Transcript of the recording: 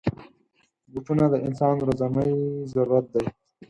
بوټونه د انسان ورځنی ضرورت دی.